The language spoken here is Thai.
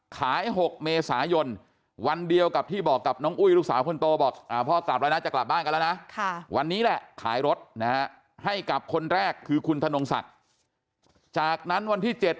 ขาย๖เมษายนวันเดียวกับที่บอกกับน้องอุ๊ยลูกสาว